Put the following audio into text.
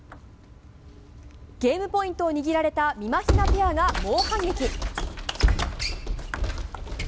ゲームポイントを握られたみまひなペアが猛反撃。